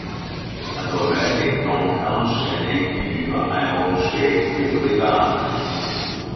Andromède est donc enchaînée nue à un rocher près du rivage.